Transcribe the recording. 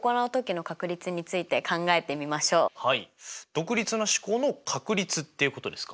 独立な試行の確率っていうことですか？